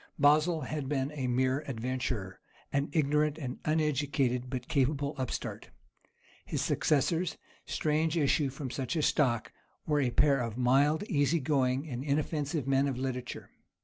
Basil had been a mere adventurer, an ignorant and uneducated but capable upstart. His successors—strange issue from such a stock—were a pair of mild, easy going, and inoffensive men of literature.